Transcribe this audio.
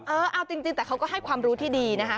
เออเอาจริงแต่เขาก็ให้ความรู้ที่ดีนะคะ